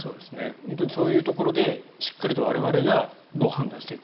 そういうところでしっかり我々がどう判断していくか。